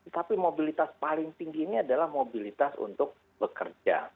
tapi mobilitas paling tinggi ini adalah mobilitas untuk bekerja